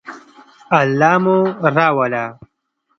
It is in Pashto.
الله مو راوله